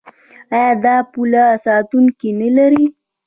آیا دا پوله ساتونکي نلري؟